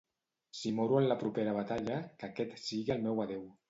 Si moro en la propera batalla, que aquest sigui el meu adeu.